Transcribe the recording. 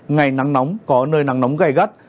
ngày nắng nóng có nơi nắng nóng gầy gắt